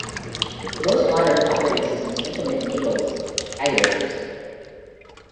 Most modern operating systems implement Nagle's algorithms.